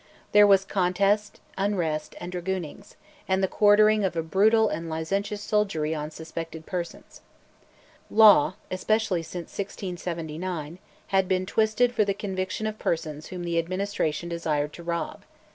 There was contest, unrest, and dragoonings, and the quartering of a brutal and licentious soldiery on suspected persons. Law, especially since 1679, had been twisted for the conviction of persons whom the administration desired to rob.